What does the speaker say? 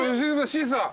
シーサー。